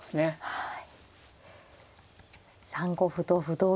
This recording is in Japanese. はい。